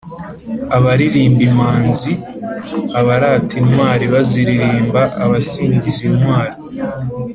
abaririmba impanzi: abarata intwari baziririmba; abasingiza intwari